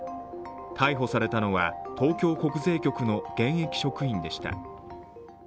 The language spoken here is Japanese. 逮捕されたのは東京国税局の現役職員でした。